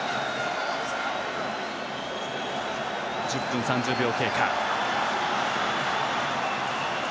１０分３０秒経過。